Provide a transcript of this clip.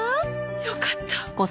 よかった。